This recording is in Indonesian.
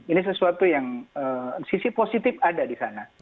ini sesuatu yang sisi positif ada di sana